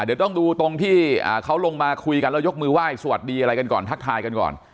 เดี๋ยวต้องดูตรงที่เขาลงมาคุยกันแล้วยกมือไหว้สวัสดีอะไรกันก่อนทักทายกันก่อน